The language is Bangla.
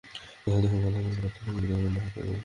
দর্শকদের সঙ্গে কথা বলব, তাদের সঙ্গেই ঈদের আনন্দ ভাগ করে নেব।